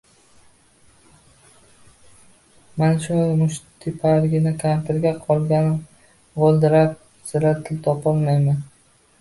mana shu mushtipargina kampirga qolganda g‘o‘ldirab, sira til topolmayman.